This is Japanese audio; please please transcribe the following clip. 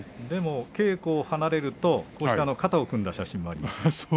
でも稽古を離れると肩を組んだ写真もあります。